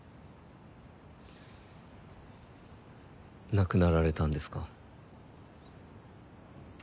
亡くなられたんですか。